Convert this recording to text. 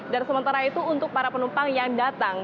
dan sementara itu untuk para penumpang yang datang